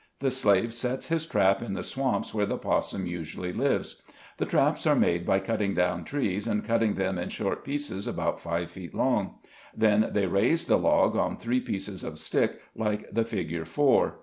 The slave sets his trap in the swamps where the possum usually lives. The traps are made by cutting down trees, and cutting them in short pieces about five feet long; then they raise the log on three pieces of stick, like the figure four.